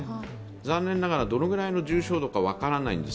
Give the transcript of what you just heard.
残念ながらどのくらいの重症度か分からないです。